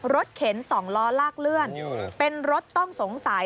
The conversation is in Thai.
เข็น๒ล้อลากเลื่อนเป็นรถต้องสงสัย